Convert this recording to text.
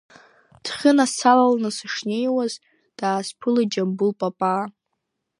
Ҭхьына салаланы сышнеиуаз, даасԥылеит Џьамбул Папаа.